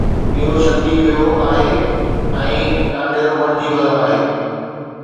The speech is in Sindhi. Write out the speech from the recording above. اُهو سُڪي ويو آهي ۽ ڪانڊيرو بڻجي ويو آهي